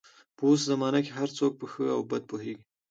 په اوس زمانه کې هر څوک په ښه او بده پوهېږي.